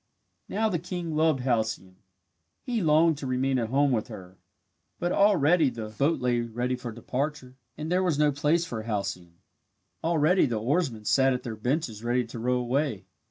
Now the king loved Halcyone. He longed to remain at home with her. But already the boat lay ready for departure and there was no place for Halcyone. Already the oarsmen sat at their benches ready to row away.